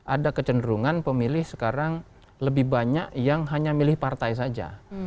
ada kecenderungan pemilih sekarang lebih banyak yang hanya milih partai saja